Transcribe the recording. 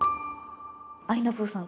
あいなぷぅさん